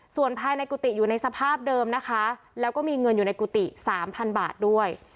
ส่วนภายในกุฏิอยู่ในสภาพเดิมนะคะแล้วก็มีเงินอยู่ในกุฏิสามพันบาทด้วย